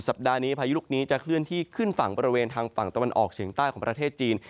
ปัดนี้พายุลูกนี้จะเคลื่อนที่ขึ้นฝั่งบริเวณทางฝั่งตะวันออกเฉียงใต้ของประเทศจีน